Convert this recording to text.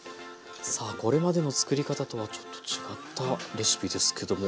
さあこれまでのつくり方とはちょっと違ったレシピですけども。